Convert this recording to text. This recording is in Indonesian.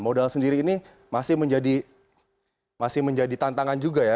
modal sendiri ini masih menjadi tantangan juga ya